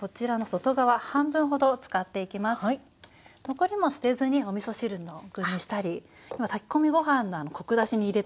残りも捨てずにおみそ汁の具にしたり炊き込みご飯のコク出しに入れたりとか。